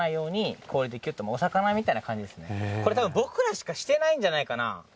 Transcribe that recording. これ多分僕らしかしてないんじゃないかな。